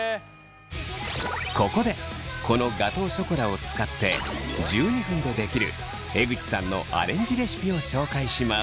ここでこのガトーショコラを使って１２分でできる江口さんのアレンジレシピを紹介します。